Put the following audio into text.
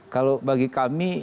kalau bagi kami